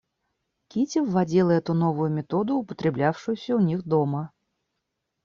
Кити вводила эту новую методу, употреблявшуюся у них дома.